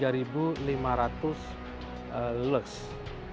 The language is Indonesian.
jadi untuk saat ini luminasinya yang terbesar di dunia